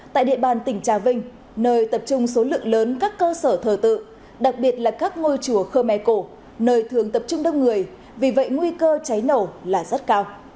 tại địa bàn tỉnh trà vinh nơi tập trung số lượng lớn các cơ sở thờ tự đặc biệt là các ngôi chùa khơ me cổ nơi thường tập trung đông người vì vậy nguy cơ cháy nổ là rất cao